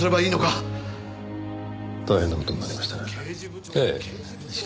大変な事になりましたね。